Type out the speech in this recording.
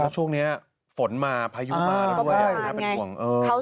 แล้วช่วงนี้ฝนมาพายุมาแล้วด้วยน่าเป็นห่วงเออ